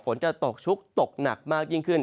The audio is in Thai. ฝนจะตกชุกตกหนักมากยิ่งขึ้น